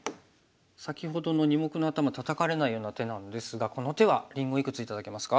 先ほどの２目の頭タタかれないような手なのですがこの手はりんごいくつ頂けますか？